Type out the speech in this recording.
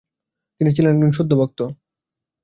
তিনি ছিলেন একজন শুদ্ধ ভক্ত।